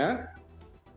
kita akan mencoba